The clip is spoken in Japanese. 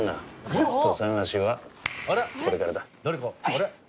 あれ？